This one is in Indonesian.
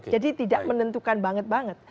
jadi tidak menentukan banget banget